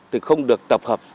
thì không được tập hợp